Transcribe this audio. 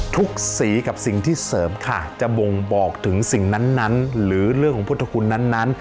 สีกับสิ่งที่เสริมค่ะจะบ่งบอกถึงสิ่งนั้นหรือเรื่องของพุทธคุณนั้น